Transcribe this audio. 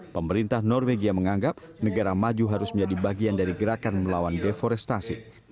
pemerintah norwegia menganggap negara maju harus menjadi bagian dari gerakan melawan deforestasi